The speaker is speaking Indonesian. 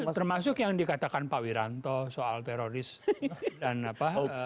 termasuk yang dikatakan pak wiranto soal teroris dan apa